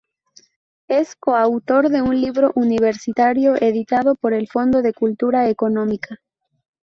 Es coautor de un libro universitario editado por el Fondo de Cultura Económica.